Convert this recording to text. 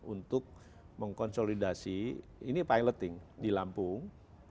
untuk mengkonsolidasi ini piloting di lampung